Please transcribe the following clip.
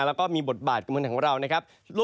แล้วก็มีบทบาทกับเมืองของเรานะครับ